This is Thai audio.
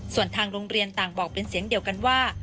ส่วนทางโรงเรียนต่างบอกเป็นเสียงเดียวกันว่า